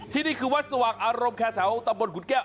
นี่คือวัดสว่างอารมณ์แค่แถวตำบลขุนแก้ว